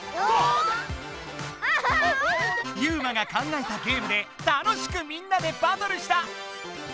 ユウマが考えたゲームで楽しくみんなでバトルした！